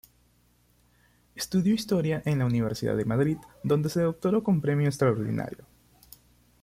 Estudió historia en la Universidad de Madrid, donde se doctoró con premio extraordinario.